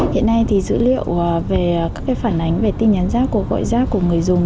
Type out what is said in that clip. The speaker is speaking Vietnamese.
hiện nay dữ liệu về các phản ánh về tin nhắn giác cuộc gọi giác của người dùng